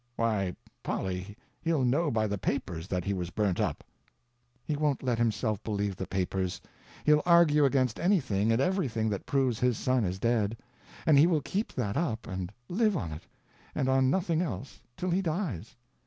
"Why Polly, he'll know by the papers that he was burnt up." "He won't let himself believe the papers; he'll argue against anything and everything that proves his son is dead; and he will keep that up and live on it, and on nothing else till he dies.